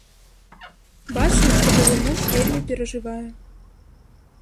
Бачна, што былы муж вельмі перажывае.